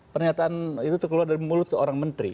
pernyataan itu keluar dari mulut seorang menteri